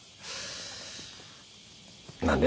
何で？